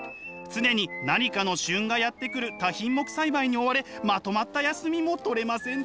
常に何かの旬がやって来る多品目栽培に追われまとまった休みも取れませんでした。